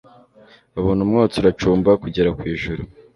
babona umwotsi uracumba kugera ku ijuru